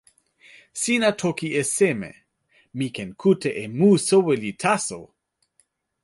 sina toki e seme? mi ken kute e mu soweli taso.